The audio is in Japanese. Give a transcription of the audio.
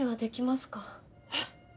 えっ？